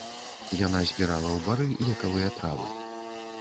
Яна збірала ў бары лекавыя травы.